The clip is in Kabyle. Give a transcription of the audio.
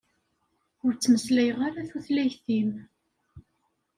Ur ttmeslayeɣ ara tutlayt-im.